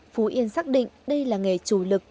phú yên xác định đây là nghề chủ lực